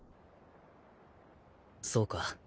そうか。